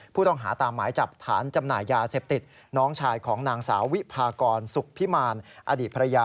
ผู้ต้องหาตามหมายจับฐานจำหน่ายยาเสพติด